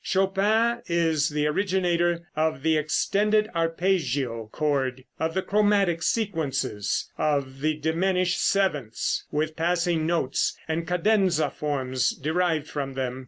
Chopin is the originator of the extended arpeggio chord, of the chromatic sequences of the diminished sevenths with passing notes, and cadenza forms derived from them.